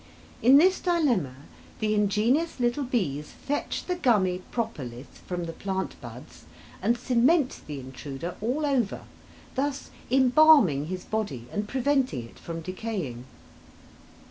In this dilemma the ingenious little bees fetch the gummy "propolis" from the plant buds and cement the intruder all over, thus embalming his body and preventing it from decaying.